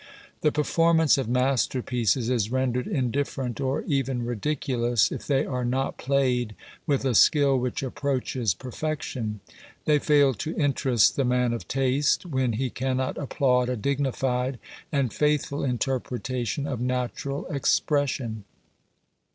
The performance of masterpieces is rendered indifferent or even ridiculous if they are not played with a skill which approaches perfection ; they fail to interest the man of taste when he cannot applaud a dignified and faith ful interpretation of natural expression.